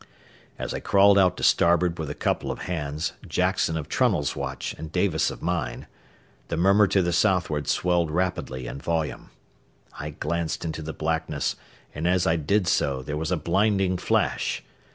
As I crawled out to starboard with a couple of hands, Jackson of Trunnell's watch and Davis of mine, the murmur to the southward swelled rapidly in volume. I glanced into the blackness, and as I did so there was a blinding flash.